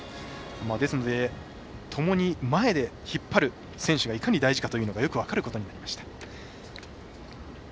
ですのでともに前で引っ張る選手がいかに大事かというのがよく分かることになりました。